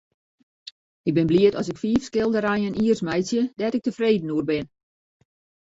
Ik bin bliid as ik fiif skilderijen jiers meitsje dêr't ik tefreden oer bin.